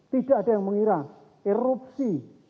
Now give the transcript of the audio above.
tidak ada yang mengira erupsi